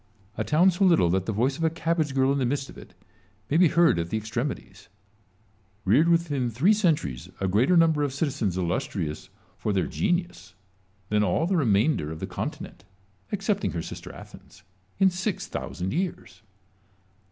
A town so little that the voice of a cabbage girl in the midst of it may be heard at the extremities, reared within three centuries a greater number of citizens illustrious 244 IMAGINARY CONVERSATIONS. for their genius than all the remainder of the conti nent (excepting her sister Athens) in six thousand years.